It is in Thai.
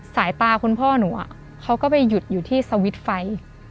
สายตาคุณพ่อหนูเขาก็ไปหยุดอยู่ที่สวิตช์ไฟ